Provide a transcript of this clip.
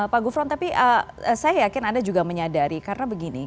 pak gufron tapi saya yakin anda juga menyadari karena begini